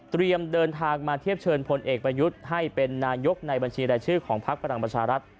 เดินทางมาเทียบเชิญพลเอกประยุทธ์ให้เป็นนายกในบัญชีรายชื่อของพักพลังประชารัฐ